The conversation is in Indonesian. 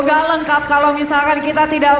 nggak lengkap kalau misalkan kita tidak